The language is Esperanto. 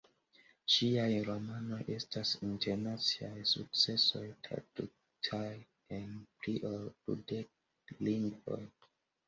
Ŝiaj romanoj estas internaciaj sukcesoj, tradukitaj en pli ol dudek lingvoj.